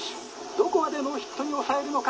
どこまでノーヒットに抑えるのか。